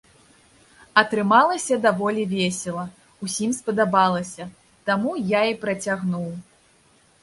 Атрымалася даволі весела, усім спадабалася, таму я і працягнуў.